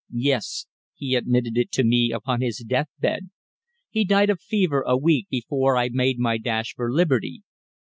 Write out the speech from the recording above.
"Yes. He admitted it to me upon his death bed. He died of fever a week before I made my dash for liberty.